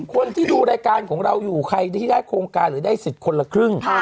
คนที่ดูรายการของเราอยู่ใครที่ได้โครงการหรือได้สิทธิ์คนละครึ่ง